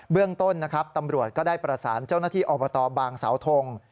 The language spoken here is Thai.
เรื่องต้นนะครับตำรวจก็ได้ประสานเจ้าหน้าที่อบตบางสาวทง